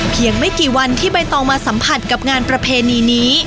ไม่กี่วันที่ใบตองมาสัมผัสกับงานประเพณีนี้